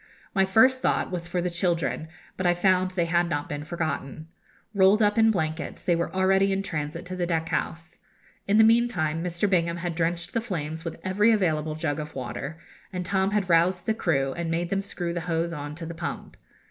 My first thought was for the children, but I found they had not been forgotten. Rolled up in blankets, they were already in transit to the deck house. In the meantime Mr. Bingham had drenched the flames with every available jug of water, and Tom had roused the crew, and made them screw the hose on to the pump.